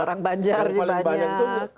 orang banjar yang paling banyak